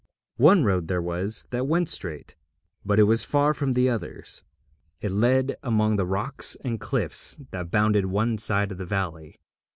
One road there was that went straight, but it was far from the others. It led among the rocks and cliffs that bounded one side of the valley.